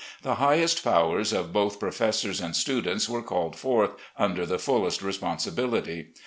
The highest powers of both professors and students were called forth, under the fullest responsibility.